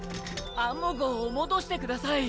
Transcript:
アンモ号を戻してください。